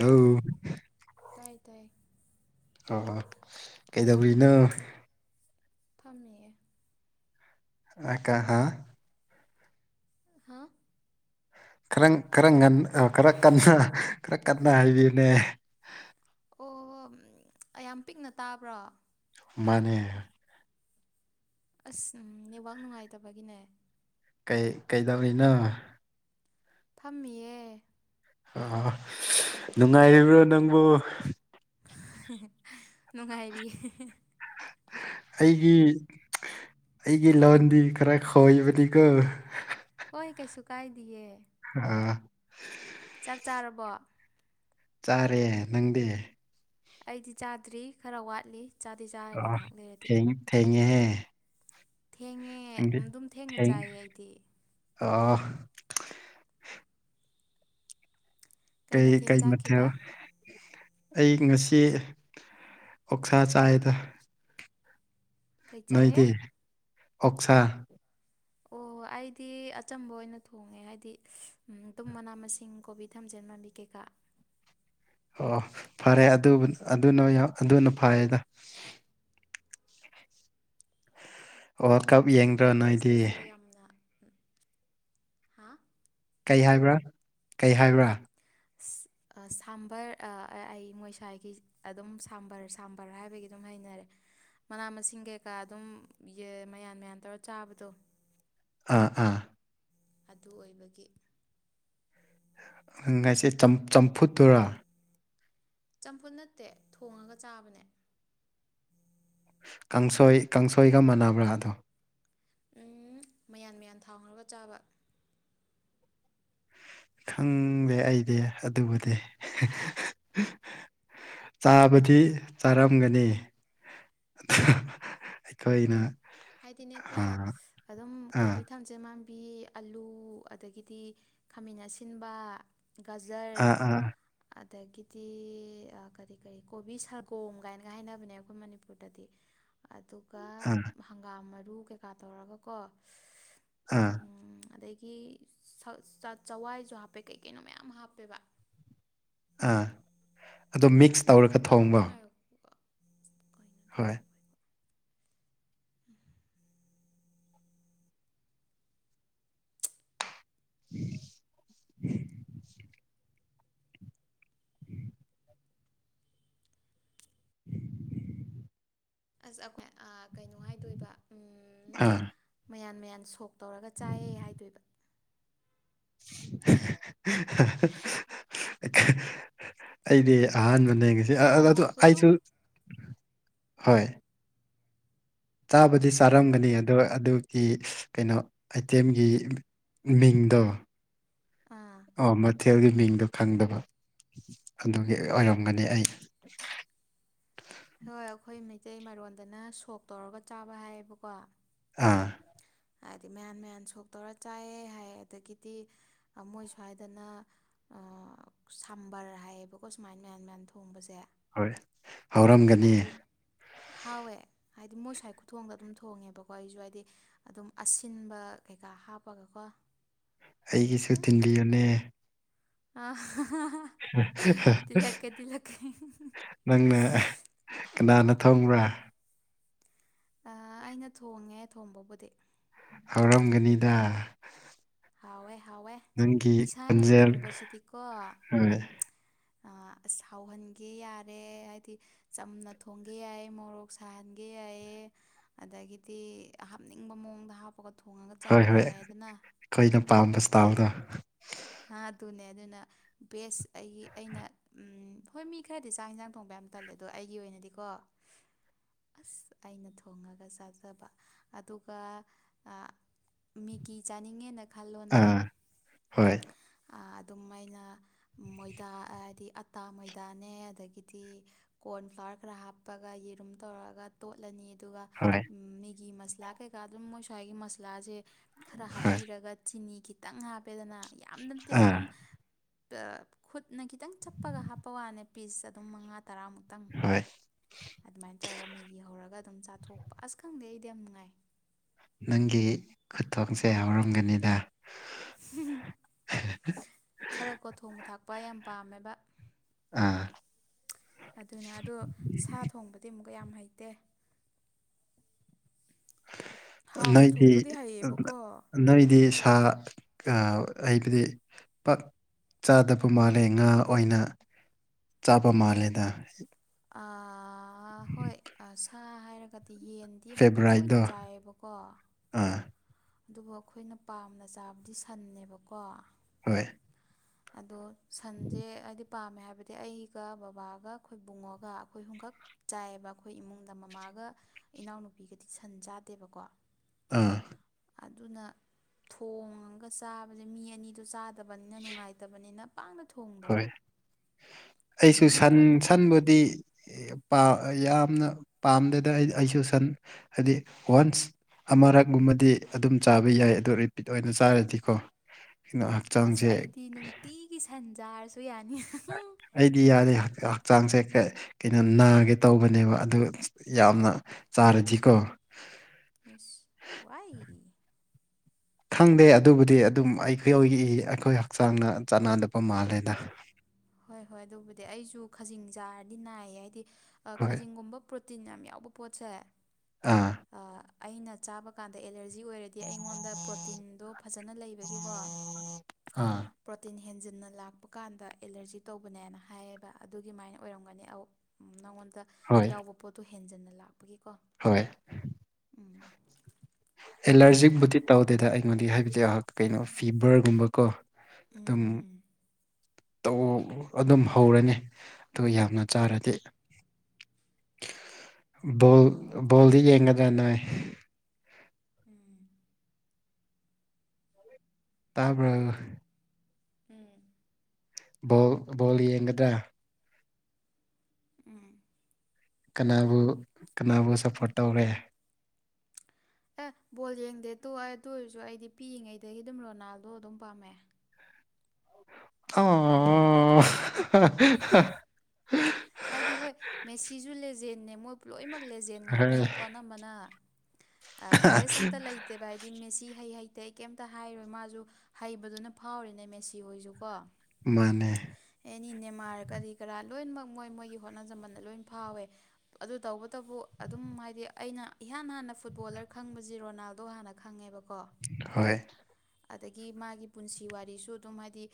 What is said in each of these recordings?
ꯎꯝ ꯇꯥꯏ ꯇꯥꯏ ꯑꯣ ꯀꯩꯗꯧꯔꯤꯅꯣ ꯐꯝꯃꯤꯌꯦꯦ ꯑ ꯀ ꯍꯥꯥ ꯍꯥꯥ ꯈꯔ ꯈꯔ ꯉ ꯈꯔ ꯀꯟꯅ ꯈꯔ ꯀꯟꯅ ꯍꯥꯏꯕꯤꯅꯦ ꯑꯣ ꯌꯥꯝ ꯄꯤꯛꯅ ꯇꯥꯕ꯭ꯔꯣ ꯃꯥꯅꯦ ꯑꯁ ꯎ ꯅꯦꯠꯋꯥꯛ ꯅꯨꯡꯉꯥꯏꯇꯕꯒꯤꯅꯦ ꯀꯩ ꯀꯩꯗꯧꯔꯤꯅꯣ ꯊꯝꯃꯤꯌꯦ ꯑ ꯅꯨꯡꯉꯥꯏꯔꯤꯕ꯭ꯔꯣ ꯅꯪꯕꯨ ꯅꯨꯡꯉꯥꯏꯔꯤ ꯑꯩꯒꯤ ꯑꯩꯒꯤ ꯂꯣꯟꯗꯤ ꯈꯔ ꯈꯣꯏꯕꯅꯤꯒ ꯍꯣꯏ ꯀꯩꯁꯨ ꯀꯥꯏꯗꯌꯦ ꯎꯝ ꯆꯥꯛ ꯆꯥꯔꯕꯣ ꯆꯥꯔꯦ ꯅꯪꯗꯤ ꯑꯩꯗꯤ ꯆꯥꯗ꯭ꯔꯤ ꯈꯔ ꯋꯥꯠꯂꯤ ꯆꯥꯗꯤ ꯑ ꯆꯥꯔꯅꯤ ꯉꯥꯏꯍꯥꯛ ꯂꯩꯔꯗꯤ ꯊꯦꯡ ꯊꯦꯡꯦꯍꯦ ꯊꯦꯡꯉꯦ ꯑꯗꯨꯝ ꯊꯦꯡꯅ ꯆꯥꯏꯌꯦ ꯑꯩꯗꯤ ꯑꯥ ꯀꯩ ꯀꯩ ꯃꯊꯦꯜ ꯑꯩ ꯉꯁꯤ ꯑꯣꯛꯁꯥ ꯆꯥꯏꯗ ꯀꯩ ꯆꯥꯏꯌꯦ ꯅꯣꯏꯗꯤꯦ ꯑꯣꯛꯁꯥ ꯑꯣ ꯑꯩꯗꯤ ꯑꯆꯝꯕ ꯑꯣꯏꯅ ꯊꯣꯡꯉꯦ ꯍꯥꯏꯗꯤ ꯇꯨꯝ ꯃꯅꯥ ꯃꯁꯤꯡ ꯀꯣꯕꯤ ꯏ ꯊꯝꯖꯦꯟ ꯃꯝꯕꯤ ꯀꯩꯀꯥ ꯑꯣ ꯐꯔꯦ ꯑꯗꯨ ꯑꯗꯨꯅ ꯑꯗꯨꯅ ꯐꯌꯦꯗ ꯋꯥꯔꯜ ꯀꯞ ꯌꯦꯡꯗ꯭ꯔꯣ ꯅꯣꯏꯗꯤ ꯆꯥꯕꯁꯦ ꯌꯥꯝꯅ ꯍꯥꯥ ꯀꯩ ꯍꯥꯏꯕ꯭ꯔꯥ ꯀꯩ ꯍꯥꯏꯕ꯭ꯔꯥ ꯁꯥꯝꯕꯔ ꯑꯩ ꯃꯣꯏꯁ꯭ꯋꯥꯏꯒꯤ ꯑꯗꯨꯝ ꯁꯥꯝꯕꯔ ꯁꯥꯝꯕꯔ ꯍꯥꯏꯕꯒꯤ ꯑꯗꯨꯝ ꯍꯩꯅꯔꯦ ꯃꯅꯥ ꯃꯁꯤꯡ ꯀꯩꯀꯥ ꯑꯗꯨꯝ ꯃꯌꯥꯟ ꯃꯌꯥꯟ ꯇꯧꯔ ꯆꯥꯕꯗꯣ ꯑꯥ ꯑꯥ ꯑꯗꯨ ꯑꯣꯏꯕꯒꯤ ꯑꯪꯒꯥꯏꯁꯦ ꯆꯝꯐꯨꯠꯇꯔꯥ ꯆꯝꯐꯨꯠ ꯅꯠꯇꯦ ꯊꯣꯡꯉꯒ ꯆꯥꯕꯅꯦ ꯀꯥꯡꯁꯣꯏ ꯀꯥꯡꯁꯣꯏꯒ ꯃꯥꯟꯅꯕ꯭ꯔꯥ ꯑꯗꯣ ꯎꯝ ꯃꯌꯥꯟ ꯃꯌꯥꯟ ꯊꯥꯎꯈ꯭ꯔꯒ ꯆꯥꯕ ꯈꯪꯗꯦ ꯑꯩꯗꯤ ꯑꯗꯨꯕꯨꯗꯤ ꯆꯥꯕꯗꯤ ꯆꯥꯔꯝꯒꯅꯤ ꯑꯩꯈꯣꯏꯅ ꯍꯥꯏꯗꯤꯅꯦꯀꯣ ꯑꯥ ꯑꯗꯨꯝ ꯑꯥ ꯀꯣꯕꯤ ꯊꯝ ꯆꯃꯥꯟꯕꯤ ꯑꯂꯨ ꯑꯗꯒꯤꯗꯤ ꯈꯥꯃꯦꯟ ꯑꯁꯤꯟꯕ ꯒꯖꯔ ꯑꯥ ꯑꯥ ꯑꯗꯒꯤꯗꯤ ꯀꯔꯤ ꯀꯔꯤ ꯀꯣꯕꯤ ꯁꯥꯒꯣꯝ ꯀꯥꯏꯅꯒ ꯍꯥꯏꯅꯕꯅꯦ ꯑꯩꯈꯣꯏ ꯃꯅꯤꯄꯨꯔꯗꯗꯤ ꯑꯗꯨꯒ ꯑꯥ ꯍꯪꯒꯥꯝ ꯃꯔꯨ ꯀꯩꯀꯥ ꯇꯧꯔꯒꯀꯣ ꯑꯥ ꯑꯗꯒꯤ [unintelligible] ꯆꯋꯥꯏꯁꯨ ꯍꯥꯞꯄꯦ ꯀꯩ ꯀꯩꯅꯣ ꯃꯌꯥꯝ ꯍꯥꯞꯄꯦꯕ ꯑꯥ ꯑꯗꯣ ꯃꯤꯛꯁ ꯇꯧꯔꯒ ꯑꯝꯇ ꯑꯝꯇ ꯊꯣꯡꯕ [unintelligible] ꯍꯣꯏ ꯇꯧꯔꯤꯁꯤꯕꯣ [inaudible] [inaudible] [inaudible] [inaudible] ꯑꯁ ꯑꯩꯈꯣꯏ ꯑ ꯀꯩꯅꯣ ꯍꯥꯏꯗꯣꯏꯕ ꯑꯥ ꯃꯌꯥꯟ ꯃꯌꯥꯟ ꯁꯣꯛ ꯇꯧꯔꯒ ꯆꯥꯏꯌꯦ ꯍꯥꯏꯗꯣꯏꯕ [unintelligible] ꯑꯩꯗꯤ ꯑꯍꯥꯟꯕꯅꯦ ꯉꯁꯤ [unintelligible] ꯊꯥꯎ ꯑꯗꯨ ꯉꯧꯕꯗꯨ ꯑꯩꯁꯨ ꯍꯣꯏ ꯆꯥꯕꯗꯤ ꯎꯝ ꯀꯩ ꯆꯥꯔꯝꯒꯅꯤ ꯑꯗꯣ ꯑꯗꯨꯒꯤ ꯀꯩꯅꯣ ꯑꯥꯏꯇꯦꯝꯒꯤ ꯃꯤꯡꯗꯣ ꯑꯥ ꯑꯣ ꯃꯊꯦꯜꯒꯤ ꯃꯤꯡꯗꯣ ꯈꯪꯗꯕ ꯑꯗꯨꯒꯤ ꯑꯣꯏꯔꯝꯒꯅꯤ ꯑꯩ ꯍꯣꯏ ꯑꯩꯈꯣꯏ ꯃꯩꯇꯩ ꯃꯔꯣꯟꯗꯅ ꯁꯣꯛ ꯇꯧꯔꯒ ꯆꯥꯕ ꯍꯥꯏꯌꯦꯕꯀꯣ ꯑꯥ ꯍꯥꯏꯗꯤ ꯃꯌꯥꯟ ꯃꯌꯥꯟ ꯁꯣꯛꯇꯧꯔ ꯆꯥꯏꯌꯦ ꯍꯥꯏ ꯑꯗꯒꯤꯗꯤ ꯃꯣꯏ ꯁ꯭ꯋꯥꯏꯗꯅ ꯁꯝꯕꯔ ꯍꯥꯏꯌꯦꯕꯀꯣ ꯁꯨꯃꯥꯏꯅ ꯃꯌꯥꯟ ꯃꯌꯥꯟ ꯊꯣꯡꯕꯁꯦ ꯍꯣꯏ ꯍꯥꯎꯔꯝꯒꯅꯤ ꯑꯗꯨ ꯍꯥꯎꯋꯦ ꯍꯥꯏꯗꯤ ꯃꯣꯏ ꯁ꯭ꯥꯏ ꯈꯨꯊꯣꯡꯗ ꯑꯗꯨꯝ ꯊꯣꯡꯉꯦꯕꯀꯣ ꯑꯩꯁꯨ ꯍꯥꯏꯗꯤ ꯑꯗꯨꯝ ꯑꯁꯤꯟꯕ ꯀꯩꯀꯥ ꯍꯥꯞꯄꯒꯀꯣ ꯑꯩꯒꯤꯁꯨ ꯊꯤꯟꯕꯤ ꯌꯣꯅꯦ ꯑ ꯇꯤꯂꯛꯀꯦ ꯇꯤꯂꯛꯀꯦ ꯅꯪꯅ ꯀꯅꯥꯅ ꯊꯪꯕ꯭ꯔꯥ ꯑꯩꯅ ꯊꯣꯡꯉꯦ ꯊꯣꯡꯕꯕꯨꯗꯤ ꯍꯧꯔꯝꯒꯅꯤꯗ ꯍꯥꯎꯋꯦ ꯍꯥꯎꯋꯦ ꯅꯪꯒꯤ ꯏꯁꯥꯅ ꯈꯣꯟꯖꯦꯜ ꯊꯣꯡꯕꯁꯤꯗꯤꯀꯣ ꯑ ꯍꯣꯏ ꯍꯥꯎꯍꯟꯒꯦ ꯌꯥꯔꯦ ꯍꯥꯏꯗꯤ ꯆꯝꯅ ꯊꯣꯡꯒꯦ ꯌꯥꯏ ꯃꯣꯔꯣꯛ ꯁꯥꯍꯟꯒꯦ ꯌꯥꯏ ꯑꯗꯒꯤꯗꯤ ꯍꯥꯞꯅꯤꯡꯕ ꯃꯑꯣꯡꯗ ꯍꯥꯞꯄꯒ ꯊꯣꯡꯉꯒ ꯆꯥꯕ ꯌꯥꯏꯗꯅ ꯈꯣꯏꯅ ꯄꯥꯝꯕ ꯏꯁ꯭ꯇꯥꯜꯗ ꯍꯥꯗꯨꯅꯦ ꯑꯗꯨꯅ ꯕꯦꯁ ꯑꯩꯒꯤ ꯑꯩꯅ ꯎꯝ ꯍꯣꯏ ꯃꯤ ꯈꯔꯗꯤ ꯆꯥꯛ ꯏꯟꯁꯥꯡ ꯊꯣꯡꯕ ꯌꯥꯝ ꯇꯜꯂꯦ ꯑꯗꯣ ꯑꯩꯒꯤ ꯑꯣꯏꯅꯗꯤꯀꯣ ꯑꯁ ꯑꯩꯅ ꯊꯣꯡꯉꯒ ꯆꯥꯖꯕ ꯑꯗꯨꯒ ꯑ ꯃꯤꯒꯤ ꯆꯥꯅꯤꯡꯉꯦꯅ ꯑꯥ ꯍꯣꯏ ꯑꯗꯨꯝ ꯃꯥꯏꯅ ꯃꯣꯏꯗꯥ ꯍꯥꯏꯗꯤ ꯑꯇꯥ ꯃꯣꯏꯗꯥꯅꯦ ꯑꯗꯒꯤꯗꯤ ꯀꯣꯔꯟꯐ꯭ꯂꯥꯋꯔ ꯈꯔ ꯍꯥꯞꯄꯒ ꯌꯦꯔꯨꯝ ꯇꯧꯔꯒ ꯇꯣꯠꯂꯅꯤ ꯑꯗꯨꯒ ꯍꯣꯏ ꯎꯝ ꯃꯦꯒꯤ ꯃꯁꯂꯥ ꯀꯩꯀꯥ ꯑꯗꯨꯝ ꯃꯣꯏ ꯁ꯭ꯋꯥꯏꯒꯤ ꯃꯁꯂꯥꯖꯦ ꯈꯔ ꯍꯣꯏ ꯍꯥꯞꯄꯤꯔꯒ ꯆꯤꯅꯤ ꯈꯤ ꯇꯪ ꯍꯥꯞꯄꯦꯗꯅ ꯌꯥꯝ ꯅꯠꯇꯦꯀꯣ ꯑꯥ ꯑꯗꯨꯝ ꯈꯨꯠꯅ ꯈꯤꯇꯪ ꯆꯞꯄꯒ ꯍꯥꯞꯄ ꯋꯥꯅꯦ ꯄꯤꯟꯁ ꯑꯗꯨꯝ ꯃꯉꯥ ꯇꯔꯥꯃꯨꯛꯇꯪ ꯍꯣꯏ ꯑꯗꯨꯃꯥꯏꯟ ꯇꯧꯔꯒ ꯃꯦꯒꯤ ꯍꯧꯔꯒ ꯑꯗꯨꯝ ꯆꯥꯊꯣꯛꯄ ꯑꯁ ꯈꯪꯗꯦ ꯑꯩꯗꯤ ꯌꯥꯝ ꯅꯨꯡꯉꯥꯏ ꯅꯪꯒꯤ ꯈꯨꯊꯣꯡꯁꯦ ꯍꯥꯎꯔꯝꯒꯅꯤꯗ ꯈꯔꯀꯣ ꯊꯣꯡꯕ ꯊꯥꯛꯄ ꯌꯥꯝ ꯄꯥꯝꯃꯦꯕ ꯑꯥ ꯑꯗꯨꯅ ꯑꯗꯨ ꯁꯥ ꯊꯣꯡꯕꯗꯤ ꯑꯃꯨꯛꯀ ꯌꯥꯝ ꯍꯩꯇꯦ ꯍꯥꯎꯅ ꯅꯣꯏꯗꯤ ꯊꯣꯡꯕꯗꯤ ꯍꯩꯌꯦꯕꯀꯣ ꯅꯣꯏꯗꯤ ꯁꯥ ꯀꯥꯎ ꯑꯩꯕꯗꯤ ꯄꯥꯛ ꯆꯥꯗꯕ ꯃꯥꯜꯂꯦ ꯉꯥ ꯑꯣꯏꯅ ꯆꯥꯕ ꯃꯥꯜꯂꯦꯗ ꯑ ꯍꯣꯏ ꯑ ꯁꯥ ꯍꯥꯏꯔꯒꯗꯤ ꯌꯦꯟ ꯗꯤ ꯑꯃꯨꯛꯀ ꯇꯣꯏꯅ ꯐꯦꯕꯣꯔꯥꯏꯠꯇꯣ ꯆꯥꯏꯌꯦꯕꯀꯣ ꯑꯥ ꯑꯗꯨꯕꯨ ꯑꯈꯣꯏꯅ ꯄꯥꯝꯅ ꯆꯥꯕꯗꯤ ꯁꯟꯅꯦꯕꯀꯣ ꯍꯣꯏ ꯑꯗꯣ ꯁꯟꯖꯦ ꯍꯥꯏꯗꯤ ꯄꯥꯝꯃꯦ ꯍꯥꯏꯕꯗꯤ ꯑꯩꯒ ꯕꯥꯕꯥꯒ ꯑꯈꯣꯏꯕꯨꯡꯉꯣꯒ ꯑꯈꯣꯏ ꯑꯍꯨꯝꯈꯛ ꯆꯥꯏꯌꯦꯕ ꯑꯈꯣꯏ ꯏꯃꯨꯡꯗ ꯃꯃꯥꯒ ꯏꯅꯥꯎꯅꯨꯄꯤꯒꯗꯤ ꯁꯟ ꯆꯥꯗꯦꯕꯀꯣ ꯑꯥ ꯑꯗꯨꯅ ꯊꯣꯡꯉꯥꯒ ꯆꯥꯕꯖꯦ ꯃꯤ ꯑꯅꯤꯗꯣ ꯆꯥꯗꯕꯅꯤꯅ ꯅꯨꯡꯉꯥꯏꯇꯕꯅꯤꯅ ꯄꯥꯛꯅ ꯊꯣꯡꯗꯕ ꯍꯣꯏ ꯑꯩꯁꯨ ꯑꯃꯨꯛꯃꯨꯛ ꯊꯣꯡꯕ ꯁꯟ ꯀꯥꯟꯗ ꯁꯟꯕꯨꯗꯤ ꯄꯥꯝ ꯌꯥꯝꯅ ꯄꯥꯝꯗꯦꯗ ꯑꯩ ꯑꯩꯁꯨ ꯁꯟ ꯍꯥꯏꯗꯤ ꯋꯥꯟꯁ ꯑꯃꯔꯛꯒꯨꯝꯕꯗꯤ ꯑꯗꯨꯝ ꯆꯥꯕ ꯌꯥꯏ ꯑꯗꯣ ꯔꯤꯄꯤꯠ ꯑꯣꯏꯅ ꯆꯥꯔꯗꯤꯀꯣ ꯀꯩꯅꯣ ꯑꯁ ꯍꯛꯆꯥꯡꯁꯦ ꯑꯩꯗꯤ ꯅꯨꯡꯇꯤꯒꯤ ꯁꯟ ꯆꯥꯔꯁꯨ ꯌꯥꯅꯤ ꯑꯩꯗꯤ ꯌꯥꯗꯦ ꯍꯛꯆꯥꯡꯁꯦ ꯀ ꯀꯩꯅꯣ ꯅꯥꯒꯦ ꯇꯧꯕꯅꯦꯕ ꯑꯗꯨ ꯌꯥꯝꯅ ꯆꯥꯔꯗꯤꯀꯣ ꯎꯁ ꯋꯥꯏ ꯈꯪꯗꯦ ꯑꯗꯨꯕꯨꯗꯤ ꯑꯗꯨꯝ ꯑꯩꯈꯣꯏꯒꯤ ꯑꯩꯈꯣꯏ ꯍꯛꯆꯥꯡꯅ ꯆꯥꯟꯅꯗꯕ ꯃꯥꯜꯂꯦꯗ ꯍꯣꯏ ꯍꯣꯏ ꯑꯗꯨꯕꯨꯗꯤ ꯑꯩꯖꯨ ꯈꯖꯤꯡ ꯆꯥꯔꯗꯤ ꯅꯥꯏꯌꯦ ꯍꯥꯏꯗꯤ ꯍꯣꯏ ꯈꯥꯖꯤꯡꯒꯨꯝꯕ ꯄ꯭ꯌꯨꯠ ꯇꯤꯟ ꯌꯥꯝ ꯌꯥꯎꯕ ꯄꯣꯠꯁꯦ ꯑꯥ ꯑ ꯑꯩꯅ ꯆꯥꯕ ꯀꯥꯟꯗ ꯑꯦꯂꯔꯖꯤ ꯑꯣꯏꯔꯦ ꯗꯤ ꯑꯩꯉꯣꯟꯗ ꯄ꯭ꯔꯣꯇꯤꯟꯗꯣ ꯐꯖꯅ ꯂꯩꯕꯒꯤꯀꯣ ꯑꯥ ꯄ꯭ꯔꯣꯇꯤꯟ ꯍꯦꯟꯖꯤꯟꯅ ꯂꯥꯛꯄ ꯀꯥꯟꯗ ꯑꯦꯂꯔꯖꯤ ꯇꯧꯕꯅꯦꯅ ꯍꯥꯏꯌꯦꯕ ꯑꯗꯨꯒꯤꯃꯥꯏꯅ ꯑꯣꯏꯔꯝꯒꯅꯤ ꯑꯧ ꯎꯝ ꯅꯉꯣꯟꯗ ꯍꯣꯏ ꯌꯥꯎꯕ ꯄꯣꯠꯇꯣ ꯍꯦꯟꯖꯟꯅ ꯂꯥꯛꯄꯒꯤꯀꯣ ꯍꯣꯏ ꯎꯝ ꯑꯦꯂꯔꯖꯤꯛꯕꯨꯗꯤ ꯇꯧꯗꯦꯗ ꯑꯩꯉꯣꯟꯗ ꯍꯥꯏꯕꯗꯤ ꯀꯩꯅꯣ ꯐꯤꯕꯔꯒꯨꯝꯕꯀꯣ ꯎꯝ ꯑꯗꯨꯝ ꯎꯝ ꯎꯝ ꯇꯧ ꯑꯗꯨꯝ ꯍꯧꯔꯅꯤ ꯑꯗꯨ ꯌꯥꯝꯅ ꯆꯥꯔꯗꯤ ꯕꯣꯜ ꯕꯣꯜꯗꯤ ꯌꯦꯡꯒꯗ꯭ꯔꯥ ꯅꯣꯏ ꯎꯝ ꯇꯥꯕ꯭ꯔꯣ ꯎꯝ ꯕꯣꯜ ꯕꯣꯜ ꯌꯦꯡꯒꯗ꯭ꯔꯥ ꯎꯝ ꯀꯅꯥꯕꯨ ꯀꯅꯥꯕꯨ ꯁꯄꯣꯔꯠ ꯇꯧꯔꯦ ꯑꯦ ꯕꯣꯜ ꯌꯦꯡꯗꯦ ꯇꯨ ꯑꯩ ꯑꯣꯏꯔꯖꯨ ꯑꯩꯗꯤ ꯄꯤꯛꯏꯉꯩꯗꯒꯤ ꯑꯗꯨꯝ ꯔꯣꯅꯥꯜꯗꯣ ꯑꯗꯨꯝ ꯄꯥꯝꯃꯦ [unintelligible] ꯍꯥꯏꯗꯤ ꯍꯣꯏ ꯃꯦꯁꯤꯁꯨ ꯂꯦꯖꯦꯟꯅ ꯃꯣꯏ ꯂꯣꯏꯅꯃꯛ ꯂꯦꯖꯦꯟ ꯍꯣꯏ ꯉꯥꯛꯇꯅꯦꯀꯣ ꯑꯅꯝꯕꯅ ꯑ ꯕꯥꯏꯁ ꯑꯝꯇ ꯂꯩꯇꯦ ꯍꯥꯏꯗꯤ ꯃꯦꯁꯤ ꯍꯩ ꯍꯩꯇꯦ ꯑꯩ ꯀꯩꯝꯇ ꯍꯥꯏꯔꯣꯏ ꯃꯥꯁꯨ ꯍꯩꯕꯗꯨꯅ ꯐꯥꯎꯔꯤꯦꯅꯦ ꯃꯦꯁꯤ ꯍꯣꯏꯁꯨ ꯀꯣ ꯃꯥꯅꯦ ꯑꯦꯅꯤ ꯅꯦꯃꯥꯔ ꯀꯔꯤ ꯀꯔꯥ ꯂꯣꯏꯅꯃꯛ ꯃꯣꯏ ꯃꯣꯏꯒꯤ ꯍꯣꯠꯅꯖꯃꯟꯗ ꯂꯣꯏꯅ ꯐꯥꯎꯋꯦ ꯑꯗꯨ ꯇꯧꯕꯇꯕꯨ ꯑꯗꯨꯝ ꯍꯥꯏꯗꯤ ꯑꯩꯅ ꯏꯍꯥꯟ ꯍꯥꯟꯅ ꯐꯨꯠꯕꯣꯂꯔ ꯈꯪꯕꯁꯤ ꯔꯣꯅꯥꯜꯗꯣ ꯍꯥꯟꯅ ꯈꯪꯉꯦꯕꯀꯣ ꯍꯣꯏ ꯑꯗꯒꯤ ꯃꯥꯒꯤ ꯄꯨꯟꯁꯤ ꯋꯥꯔꯤꯁꯨ ꯑꯗꯨꯝ ꯍꯥꯏꯗꯤ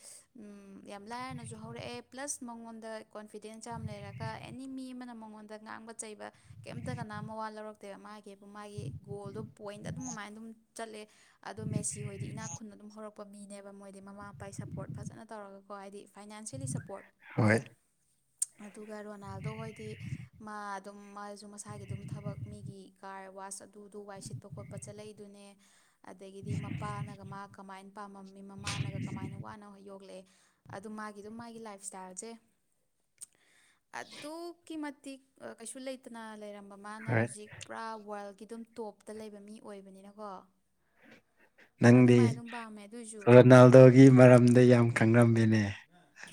ꯌꯥꯝ ꯂꯥꯏꯅꯁꯨ ꯍꯧꯔꯛꯑꯦ ꯄ꯭ꯂꯁ ꯃꯉꯣꯟꯗ ꯀꯣꯟꯐꯤ ꯂꯩꯔ ꯑꯦꯅꯤ ꯃꯤ ꯑꯃꯅ ꯃꯉꯣꯟꯗ ꯉꯥꯡꯕ ꯆꯩꯕ ꯀꯩꯝꯇ ꯀꯅꯥ ꯃꯋꯥ ꯂꯧꯔꯛ ꯑ ꯃꯥꯒꯤꯕꯨ ꯃꯥꯒꯤ ꯒꯣꯜꯗꯣ ꯄꯣꯏꯟꯗ ꯑꯗꯨꯝ ꯑꯗꯨꯃꯥꯏꯅ ꯑꯗꯨꯝ ꯆꯠꯂꯦ ꯑꯗꯣ ꯃꯦꯁꯤ ꯍꯣꯏꯗꯤ ꯏꯅꯥꯛ ꯈꯨꯟ ꯑꯗꯨꯝ ꯍꯧꯔꯛꯄ ꯄꯄ ꯃꯤꯅꯦꯕ ꯃꯣꯏꯗꯤ ꯃꯃꯥ ꯃꯄꯥ ꯁꯞꯄꯣꯔꯠ ꯐꯖꯅ ꯇꯧꯔꯒꯀꯣ ꯍꯥꯏꯗꯤ ꯐꯥꯏꯅꯥꯟꯁꯦꯜꯂꯤ ꯁꯞꯄꯣꯔꯠ ꯍꯣꯏ ꯑꯗꯨꯒ ꯔꯣꯅꯥꯜꯗꯣ ꯍꯣꯏꯗꯤ ꯃꯥ ꯑꯗꯨꯝ ꯃꯥꯁꯨ ꯃꯁꯥꯒꯤ ꯑꯗꯨꯝ ꯊꯕꯛ ꯃꯤꯒꯤ ꯀꯥꯔ ꯋꯥꯆ ꯑꯗꯨꯗ ꯋꯥꯏ ꯁꯤꯠꯄ ꯈꯣꯠꯄ ꯆꯠꯂꯏꯗꯨꯅꯦ ꯑꯗꯒꯤꯗꯤ ꯃꯄꯥꯅꯒ ꯃꯥ ꯀꯃꯥꯏꯅ ꯄꯥꯝꯃꯝꯃꯤ ꯃꯃꯥꯅꯒ ꯀꯃꯥꯏꯅ ꯋꯥꯅ ꯌꯣꯛꯂꯛꯑꯦ ꯑꯗꯨ ꯃꯥꯒꯤ ꯑꯗꯨꯝ ꯃꯥꯒꯤ ꯂꯥꯏꯞꯁ꯭ꯇꯥꯏꯜꯁꯦ ꯑꯗꯨꯛꯀꯤ ꯃꯇꯤꯛ ꯀꯩꯁꯨ ꯂꯩ ꯐꯠꯇꯅ ꯂꯩꯔꯝꯕ ꯃꯥꯅ ꯍꯣꯏ ꯍꯧꯖꯤꯛ ꯄꯨꯔꯥ ꯋꯥꯔꯜꯒꯤ ꯑꯗꯨꯝ ꯇꯣꯞꯇ ꯂꯩꯕ ꯃꯤ ꯑꯣꯏꯕꯅꯤꯅꯀꯣ ꯅꯪꯗꯤ ꯑꯗꯨꯃꯥꯏꯅ ꯑꯗꯨꯝ ꯄꯥꯝꯃꯦ ꯑꯗꯨꯏꯁꯨ ꯍꯥ ꯔꯣꯅꯥꯜꯗꯣꯒꯤ ꯃꯔꯝꯗ ꯌꯥꯝ ꯈꯪꯂꯝꯝꯃꯤꯅꯦ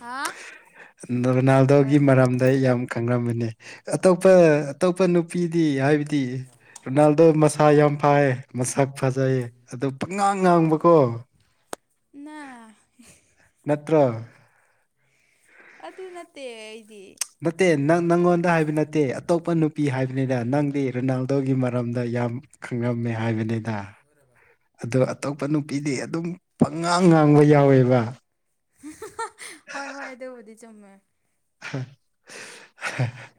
ꯍꯥꯥ ꯔꯣꯅꯥꯜꯗꯣꯒꯤ ꯃꯔꯝꯗ ꯑꯩ ꯌꯥꯝ ꯈꯪꯂꯝꯝꯕꯅꯤ ꯑꯇꯣꯞꯄ ꯑꯇꯣꯞꯄ ꯅꯨ ꯅꯨꯄꯤꯗꯤ ꯍꯥꯏꯕꯗꯤ ꯔꯣꯅꯥꯜꯗꯣ ꯃꯁꯥ ꯌꯥꯝ ꯐꯌꯦ ꯃꯁꯛ ꯐꯖꯩꯌꯦ ꯑꯗꯣ ꯄꯪꯉꯥꯡ ꯉꯥꯡꯕꯀꯣ ꯅ ꯅꯠꯇ꯭ꯔ ꯑꯗꯨ ꯅꯠꯇꯦ ꯑꯩꯗꯤ ꯅꯠꯇꯦ ꯅꯪ ꯅꯪꯉꯣꯟꯗ ꯍꯥꯏꯕ ꯅꯠꯇꯦ ꯑꯇꯣꯞꯄ ꯅꯨꯄꯤ ꯍꯥꯏꯕꯅꯤꯅ ꯅꯪꯗꯤ ꯔꯦꯅꯥꯜꯗꯣꯒꯤ ꯃꯔꯝꯗ ꯌꯥꯝ ꯈꯪꯉꯝꯃꯦ ꯍꯥꯏꯕꯅꯤꯗ ꯑꯗꯣ ꯑꯇꯣꯞꯄ ꯅꯨꯄꯤꯗꯤ ꯑꯗꯨꯝ ꯄꯪꯉꯥꯡ ꯉꯥꯡꯕ ꯌꯥꯎꯋꯦꯕ ꯍꯣꯏ ꯍꯣꯏ ꯑꯗꯨꯕꯨꯗꯤ ꯆꯨꯝꯃꯦ [inaudible]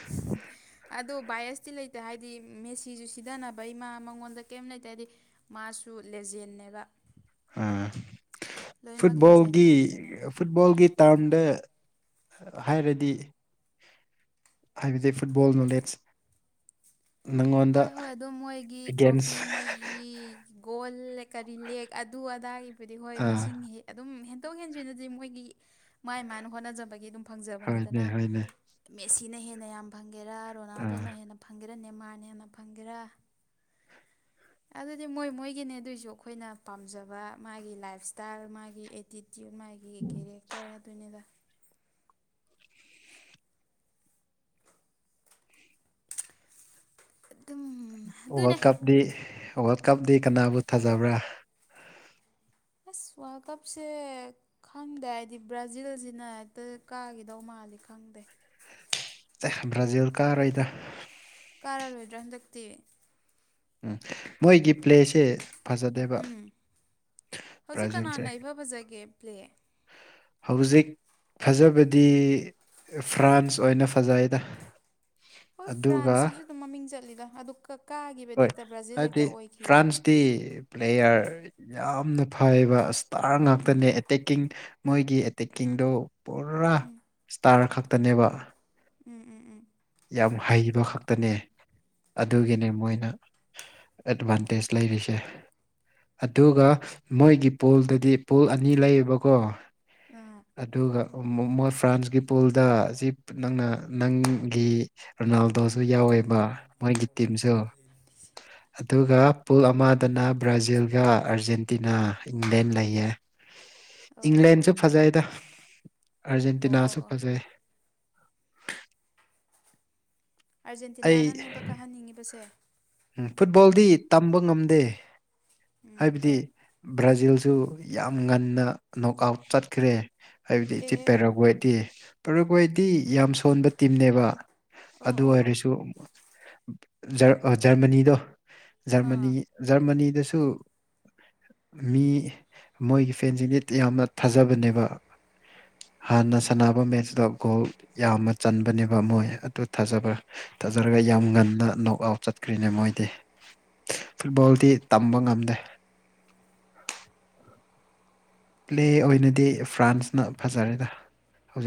[inaudible] ꯑꯗꯣ ꯚꯥꯏꯁꯇꯤ ꯂꯩꯇꯦ ꯍꯥꯏꯗꯤ ꯃꯦꯁꯤꯁꯨ ꯁꯤꯊꯅꯕ ꯏꯃꯥ ꯃꯉꯣꯟꯗ ꯀꯩꯝ ꯂꯩꯇꯦ ꯍꯥꯏꯗꯤ ꯃꯥꯁꯨ ꯂꯦꯖꯦꯟꯅꯦꯕ ꯑ ꯂꯣꯏꯅꯃꯛ ꯂꯦꯖꯦꯟ ꯐꯨꯠꯕꯣꯜꯒꯤ ꯉꯥꯛꯇꯅꯦ ꯐꯨꯠꯕꯣꯜꯒꯤ ꯇꯥꯔꯝꯗ ꯍꯥꯏꯔꯗꯤ ꯍꯥꯏꯕꯗꯤ ꯐꯨꯠꯕꯣꯜ ꯅꯣꯂꯦꯠꯖ ꯍꯣꯏ ꯍꯣꯏ ꯑꯗꯨꯝ ꯃꯣꯏꯒꯤ ꯑꯦꯒꯦꯟꯁ ꯇ꯭ꯔꯣꯐꯤ ꯃꯣꯏ ꯒꯤ ꯒꯣꯜ ꯀꯔꯤ ꯂꯦꯛ ꯑꯗꯨ ꯑꯗꯥꯏꯒꯤꯕꯨꯗꯤ ꯍꯣꯏ ꯑꯥ ꯃꯁꯤꯡ ꯍꯦꯛ ꯑꯗꯨꯝ ꯍꯦꯟꯇꯣꯛ ꯍꯦꯟꯖꯤꯅꯗꯤ ꯃꯣꯏꯒꯤ ꯃꯥꯏ ꯃꯥꯅ ꯍꯣꯠꯅꯖꯕꯒꯤ ꯑꯗꯨꯝ ꯍꯣꯏꯅꯦ ꯐꯪꯖꯕꯅꯤꯗꯅ ꯍꯣꯏꯅꯦ ꯃꯦꯠꯁꯤꯅ ꯍꯦꯟꯅ ꯌꯥꯝ ꯐꯪꯒꯦꯔꯥ ꯑꯥ ꯔꯣꯅꯥꯜꯗꯣꯅ ꯍꯦꯟꯅ ꯐꯪꯒꯦꯔꯅꯦ ꯃꯥꯅꯦ ꯍꯦꯟꯅ ꯐꯪꯒꯦꯔꯥ ꯑꯗꯨꯗꯤ ꯃꯣꯏ ꯃꯣꯏꯒꯤꯅꯦ ꯑꯗꯨꯑꯣꯏꯁꯨ ꯑꯩꯈꯣꯏꯅ ꯄꯥꯝꯖꯕ ꯃꯥꯒꯤ ꯂꯥꯏꯞ ꯏꯁꯇꯥꯏꯜ ꯃꯥꯒꯤ ꯑꯦꯇꯤ ꯨ ꯃꯥꯥꯒꯤ ꯀꯦꯔꯤꯛꯇꯔ ꯑꯗꯨꯅꯤꯗ ꯑꯗꯨꯝ ꯑꯗꯨꯅꯦ ꯋꯥꯔꯜ ꯀꯞꯇꯗꯤ ꯋꯥꯔꯜ ꯀꯞꯇ ꯀꯅꯥꯕꯨ ꯊꯥꯖꯕ꯭ꯔꯥ ꯑꯁ ꯋꯥꯜ ꯀꯞꯁꯦ ꯈꯪꯗꯦ ꯍꯥꯏꯗꯤ ꯕ꯭ꯔꯥꯖꯤꯜꯁꯤꯅ ꯍꯦꯛꯇ ꯀꯥꯈꯤꯗꯧ ꯃꯥꯜꯂꯤ ꯈꯪꯗꯦ ꯕ꯭ꯔꯥꯖꯤꯜ ꯀꯥꯔꯣꯏꯗ ꯀꯥꯔꯔꯣꯏꯗ꯭ꯔꯥ ꯍꯟꯗꯛꯇꯤ ꯎꯝ ꯃꯣꯏꯒꯤ ꯄ꯭ꯂꯦꯁꯦ ꯐꯖꯗꯦꯕ ꯍꯧꯖꯤꯛ ꯕ꯭ꯔꯥꯖꯤꯜꯁꯦ ꯀꯅꯥꯅ ꯏꯐ ꯐꯖꯒꯦ ꯄ꯭ꯂꯦ ꯍꯧꯖꯤꯛ ꯐꯖꯕꯗꯤ ꯐ꯭ꯔꯥꯟꯁ ꯑꯣꯏꯅ ꯐꯖꯩꯗ ꯍꯣꯏ ꯑꯗꯨꯒ ꯐ꯭ꯔꯥꯟꯁꯁꯤꯁꯨ ꯑꯗꯨꯝ ꯃꯃꯤꯡ ꯆꯠꯂꯤꯗ ꯑꯗꯨ ꯀ ꯀꯥꯒꯤꯒꯤꯕ ꯗꯤ ꯍꯦꯛꯇ ꯕ꯭ꯔꯥꯖꯤꯜ ꯍꯦꯛꯇ ꯑꯣꯏꯈꯤꯕ ꯇꯤ ꯄ꯭ꯂꯦꯌꯥꯔ ꯌꯥꯝꯅ ꯐꯩꯕ ꯏꯁꯇꯥꯔ ꯉꯥꯛꯇꯅꯦ ꯑꯦꯇꯦꯛꯀꯤꯡ ꯃꯣꯏꯒꯤ ꯑꯦꯇꯦꯛꯀꯤꯡꯗꯣ ꯄꯨꯔꯥ ꯏꯁꯇꯥꯔ ꯈꯛꯇꯅꯦꯕ ꯎꯝ ꯎꯝ ꯎꯝ ꯌꯥꯝ ꯍꯩꯕ ꯈꯛꯇꯅꯦ ꯑꯗꯨꯒꯤꯅꯦ ꯃꯣꯏꯅ ꯑꯦꯠꯚꯥꯟꯇꯦꯖ ꯂꯩꯔꯤꯁꯦ ꯑꯗꯨꯒ ꯃꯣꯏꯒꯤ ꯄꯨꯜꯗꯗꯤ ꯄꯨꯜ ꯑꯅꯤ ꯂꯩꯌꯦꯕꯀꯣ ꯑꯥ ꯑꯗꯨꯒ ꯃꯣꯏ ꯐ꯭ꯔꯥꯟꯁꯀꯤ ꯄꯨꯜꯗ ꯑꯁꯤ ꯅꯪꯅ ꯅꯪ ꯒꯤ ꯔꯣꯅꯥꯜꯗꯣꯁꯨ ꯌꯥꯎꯋꯦꯕ ꯃꯣꯏꯒꯤ ꯇꯤꯝꯁꯨ ꯑꯗꯨꯒ ꯄꯨꯜ ꯑꯃꯗꯅ ꯕ꯭ꯔꯥꯖꯤꯜꯒ ꯑꯥꯔꯖꯦꯟꯇꯤꯅꯥ ꯏꯪꯂꯦꯟ ꯂꯩꯌꯦ ꯑꯣ ꯑꯣ ꯑꯣ ꯏꯪꯂꯦꯟꯁꯨ ꯐꯖꯩꯗ ꯑꯣ ꯑꯣ ꯑꯥꯔꯖꯦꯟꯇꯤꯅꯥꯁꯨ ꯑꯣ ꯐꯖꯩ ꯑꯥꯔꯖꯦꯟꯇꯤꯅꯥ ꯑꯩ ꯅꯅꯦꯕ ꯀꯥꯍꯟꯅꯤꯡꯉꯤꯕꯁꯦ ꯎꯝ ꯐꯨꯠꯕꯣꯜꯗꯤ ꯇꯝꯕ ꯉꯝꯗꯦ ꯎꯝ ꯍꯥꯏꯕꯗꯤ ꯍꯣꯏ ꯕ꯭ꯔꯥꯖꯤꯜꯁꯨ ꯌꯥꯝ ꯉꯟꯅ ꯅꯣꯛ ꯑꯥꯎꯠ ꯆꯠꯈ꯭ꯔꯦ ꯍꯥꯏꯕꯗꯤ ꯏꯤ ꯑꯦꯍꯦ ꯄꯦꯔꯥꯒꯋꯦꯗꯤ ꯄꯦꯔꯥꯒꯣꯏꯗꯤ ꯌꯥꯝ ꯁꯣꯟꯕ ꯇꯤꯝꯅꯦꯕ ꯑꯣ ꯑꯗꯨ ꯑꯣ ꯑꯣ ꯑꯣꯏꯔꯁꯨ ꯖꯔꯃꯅꯤꯗꯣ ꯖꯔꯃꯅꯤ ꯑꯥ ꯖꯔꯃꯅꯤꯗꯁꯨ ꯃꯤ ꯃꯣꯏꯒꯤ ꯐꯦꯟꯁꯤꯡꯗꯤ ꯌꯥꯝꯅ ꯊꯥꯖꯕꯅꯦꯕ ꯍꯥꯟꯅ ꯁꯥꯟꯅꯕ ꯃꯦꯠꯆꯇ ꯒꯣꯜ ꯌꯥꯝꯅ ꯆꯟꯕꯅꯦꯕ ꯃꯣꯏ ꯑꯗꯨ ꯊꯥꯖꯕ ꯊꯥꯖꯔꯒ ꯌꯥꯝ ꯉꯟꯅ ꯅꯣꯛ ꯑꯥꯎ ꯆꯠ ꯀ꯭ꯔꯤꯅ ꯑꯣꯏꯗꯦ ꯐꯨꯠꯕꯣꯜꯗꯤ ꯇꯝꯕ ꯉꯝꯗꯦ ꯄ꯭ꯂꯦ ꯑꯣꯏꯅꯗꯤ ꯐ꯭ꯔꯥꯟꯁꯅ ꯐꯖꯔꯦꯗ ꯍꯧꯖꯤꯛ